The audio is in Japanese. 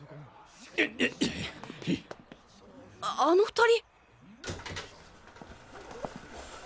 ああの２人。